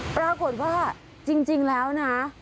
ปรากฏว่าจริงแล้วนะ